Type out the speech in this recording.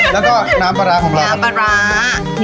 น้ำปราร้าของเราครับ